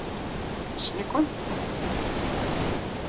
Nessen-iken?